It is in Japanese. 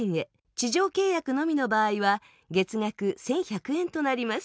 地上契約のみの場合は月額１１００円となります。